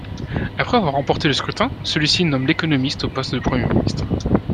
Après avoir remporté le scrutin, celui-ci nomme l'économiste au poste de premier ministre.